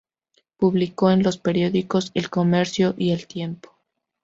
Publicó en los periódicos "El Comercio" y "El Tiempo".